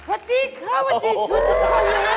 แล้วจริงครับวันนี้ทุกคนเลย